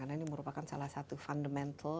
karena ini merupakan salah satu fundamental